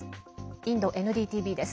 インドＮＤＴＶです。